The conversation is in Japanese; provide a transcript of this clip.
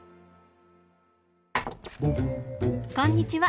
こんにちは。